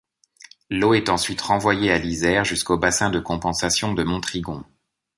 L'eau est ensuite renvoyée à l'Isère jusqu'au bassin de compensation de Montrigon.